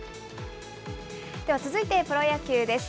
では続いてプロ野球です。